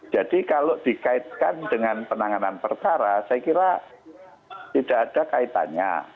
jadi kalau dikaitkan dengan penanganan perkara saya kira tidak ada kaitannya